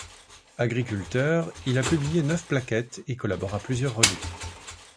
Agriculteur, Il a publié neuf plaquettes et collabore à plusieurs revues.